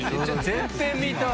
全編見たい。